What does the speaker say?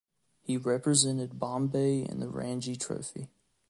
He represented Bombay in the Ranji Trophy.